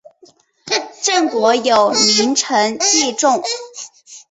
郑国有名臣祭仲。